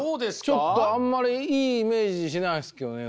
ちょっとあんまりいいイメージしないっすけどね。